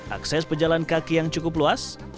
akses pejalan kaki yang cukup luas